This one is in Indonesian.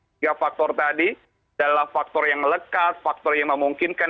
tiga faktor tadi adalah faktor yang lekat faktor yang memungkinkan